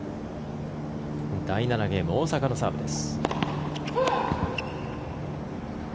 第７ゲーム大坂のサーブです。